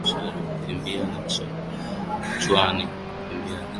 Kukimbia na chupa kichwani Kukimbia na kijiko Kukimbiza kuku Kula mbakishiebaba